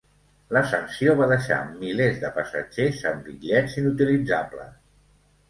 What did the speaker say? La sanció va deixar milers de passatgers amb bitllets inutilitzables.